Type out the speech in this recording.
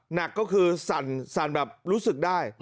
หนักก็คือสั่นแบบรู้สึกได้